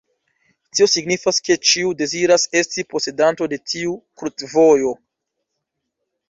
Tio signifas, ke ĉiu deziras esti posedanto de tiu krucvojo.